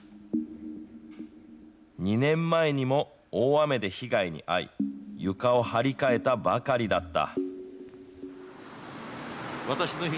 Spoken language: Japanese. ２年前にも大雨で被害に遭い、床を張り替えたばかりだった。